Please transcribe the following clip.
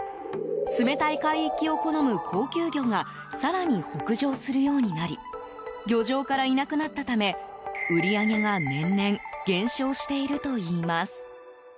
冷たい海域を好む高級魚が更に北上するようになり漁場からいなくなったため売り上げが年々減少しているといいます。